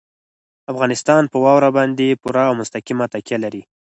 افغانستان په واوره باندې پوره او مستقیمه تکیه لري.